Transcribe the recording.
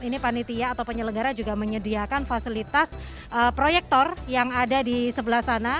ini panitia atau penyelenggara juga menyediakan fasilitas proyektor yang ada di sebelah sana